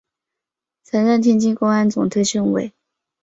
曾任天津公安总队政委。